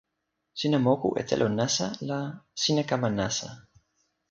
sina moku e telo nasa la sina kama nasa.